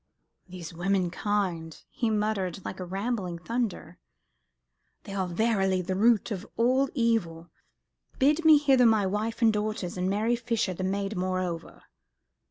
"These women kind," he muttered like rumbling thunder, "they are verily the root of all evil. Bid me hither my wife and daughters, and Mary Fisher the maid moreover."